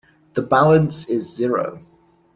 The balance is zero.